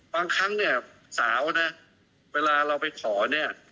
ครั้งเนี่ยสาวนะเวลาเราไปขอเนี่ย